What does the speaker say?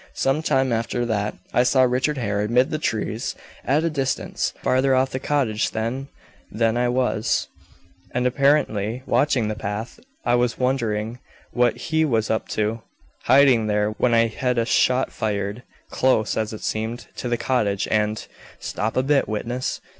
Some time after that I saw Richard Hare amid the trees at a distance, farther off the cottage, then, than I was, and apparently watching the path. I was wondering what he was up to, hiding there, when I head a shot fired, close, as it seemed, to the cottage, and " "Stop a bit, witness.